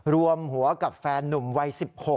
รวมหัวกับแฟนนุ่มวัย๑๖